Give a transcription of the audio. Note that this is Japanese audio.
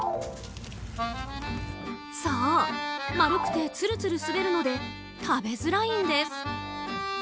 そう、丸くてつるつる滑るので食べづらいんです。